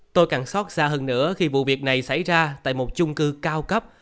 tôi càng xót xa hơn nữa khi vụ việc này xảy ra tại một chung cư cao cấp